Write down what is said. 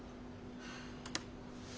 はあ。